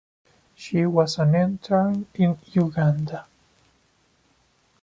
She was an intern in Uganda.